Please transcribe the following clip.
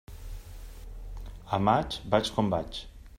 A maig, vaig com vaig.